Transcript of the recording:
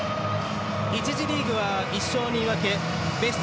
１次リーグは１勝２分け。